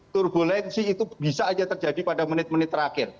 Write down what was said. turbulensi itu bisa saja terjadi pada menit menit terakhir